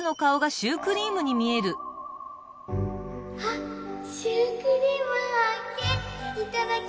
あっシュークリームはっけん！